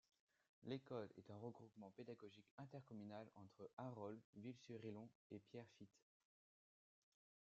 L'école est un regroupement pédagogique intercommunal entre Harol, Ville-sur-Illon et Pierrefitte.